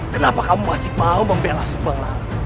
kenapa kamu masih mau membela supeng lah